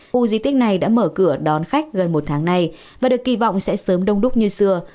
khu di tích này đã mở cửa đón khách gần một tháng nay và được kỳ vọng sẽ sớm đông đúc như xưa